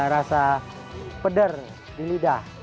rasa peder di lidah